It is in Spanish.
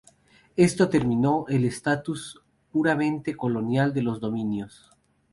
Esto terminó el estatus puramente colonial de los dominios.